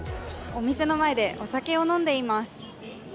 お店の前でお酒を飲んでいます。